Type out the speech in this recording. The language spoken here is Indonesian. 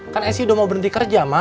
kan acing udah mau berhenti kerja ma